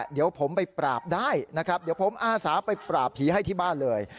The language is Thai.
เดี๋ยวผมไปปราบได้นะครับเดี๋ยวผมอาสาไปปราบผีให้ที่บ้านเลย